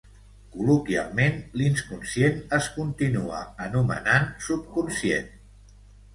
col·loquialment l'inconscient es continua anomenant subconscient